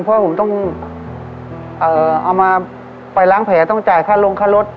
เพราะผมต้องเอามาไปล้างแผลต้องจ่ายค่าลงค่ารถ